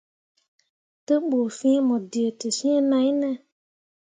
Te ɓu fĩĩ mo dǝtǝs̃ǝǝ nai ne ?